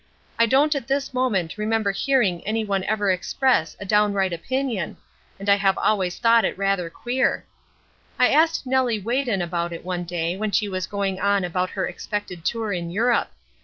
I don't at this moment remember hearing any one ever express a downright opinion, and I have always thought it rather queer. I asked Nellie Wheden about it one day when she was going on about her expected tour in Europe.